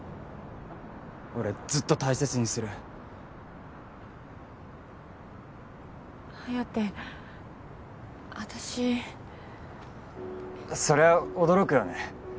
俺ずっと大切にする颯私そりゃ驚くよね